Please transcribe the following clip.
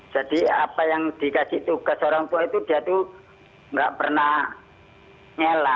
jadi apa yang dikasih tugas orang tua itu dia tuh nggak pernah nyela